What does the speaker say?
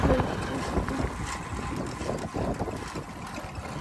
এখন পণ্যের দাম বাড়িয়ে মুনাফা বাড়ানোর প্রবণতা থেকে মূল্যস্ফীতি কিছুটা বাড়তে পারে।